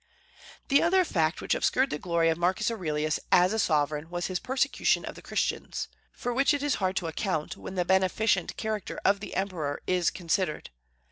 The other fact which obscured the glory of Marcus Aurelius as a sovereign was his persecution of the Christians, for which it is hard to account, when the beneficent character of the emperor is considered.